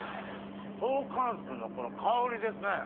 トーカンスーのこの香りですね。